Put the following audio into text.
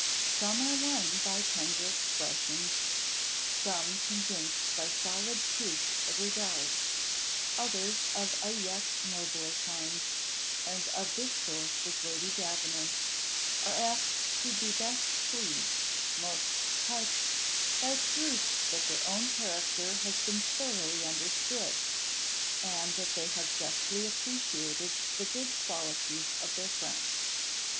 Some are won by tender expressions, some convinced by solid proofs of regard; others of a yet nobler kind, and of this sort was Lady Davenant, are apt to be best pleased, most touched, by proofs that their own character has been thoroughly understood, and that they have justly appreciated the good qualities of their friend.